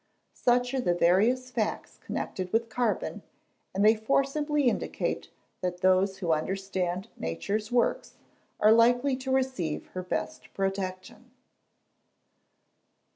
Such are the various facts connected with carbon; and they forcibly indicate that those who understand Nature's works, are likely to receive her best protection.